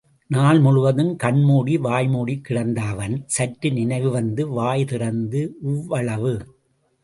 நாள் முழுவதும் கண் மூடி, வாய் மூடிக் கிடந்த அவன் சற்று நினைவு வந்து, வாய் திறந்து, இவ்வளவு.